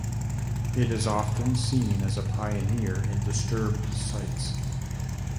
It is often seen as a pioneer in disturbed sites.